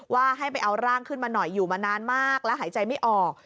ว่าให้ไปเอาร่างขึ้นมาหน่อยอยู่มานานมากแล้วหายใจไม่ออก